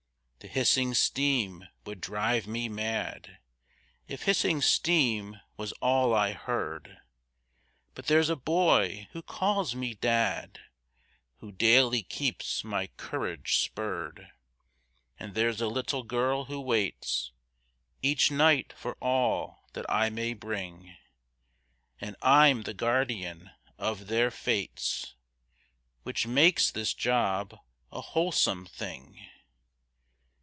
The hissing steam would drive me mad If hissing steam was all I heard; But there's a boy who calls me dad Who daily keeps my courage spurred; And there's a little girl who waits Each night for all that I may bring, And I'm the guardian of their fates, Which makes this job a wholesome thing.